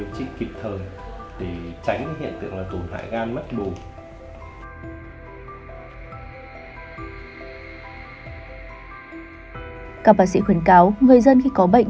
các bác sĩ khuyến cáo người dân khi có bệnh